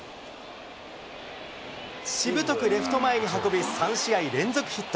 しぶとくレフト前に運び、３試合連続ヒット。